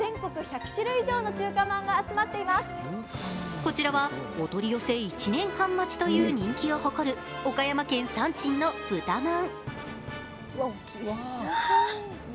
こちらはお取り寄せ１年半待ちという人気を誇る岡山県山珍の豚まん。